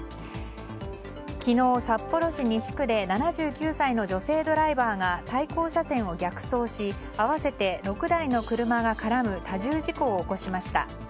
昨日、札幌市西区で７９歳の女性ドライバーが対向車線を逆走し合わせて６台の車が絡む多重事故を起こしました。